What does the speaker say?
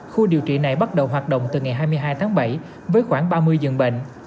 khu điều trị này bắt đầu hoạt động từ ngày hai mươi hai tháng bảy với khoảng ba mươi dường bệnh